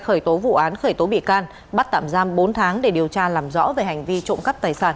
khởi tố vụ án khởi tố bị can bắt tạm giam bốn tháng để điều tra làm rõ về hành vi trộm cắp tài sản